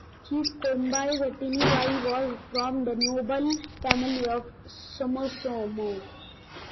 Chief Komaibatiniwai was from the noble family of Somosomo.